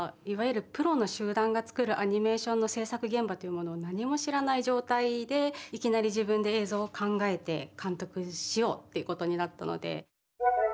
いわゆるプロの集団が作るアニメーションの制作現場というものを何も知らない状態でいきなり自分で映像を考えて監督しようっていうことになったので。